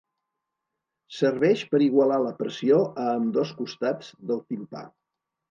Serveix per igualar la pressió a ambdós costats del timpà.